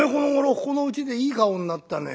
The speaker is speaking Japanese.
ここのうちでいい顔になったね」。